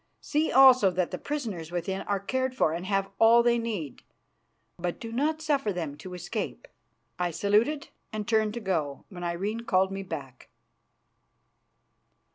See also that the prisoners within are cared for and have all they need, but do not suffer them to escape." I saluted and turned to go, when Irene called me back.